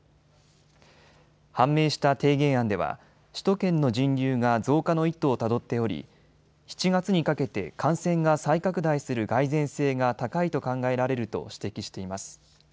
判明した提言案では首都圏の人流が増加の一途をたどっており７月にかけて感染が再拡大する蓋然性が高いと考えられると指摘しています。